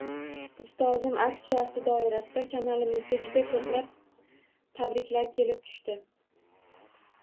Ustozim aksiyasi doirasida kanalimizga juda koʻplab tabriklar kelib tushdi.